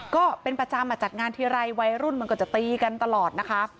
ก็เป็นประจำจัดงานทีไรวัยรุ่นมันก็จะตีกันตลอดนะคะ